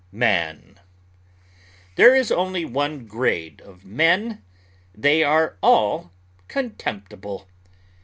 MAN There is only one grade of men; they are all contemptible.